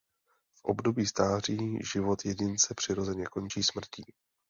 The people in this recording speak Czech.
V období stáří život jedince přirozeně končí smrtí.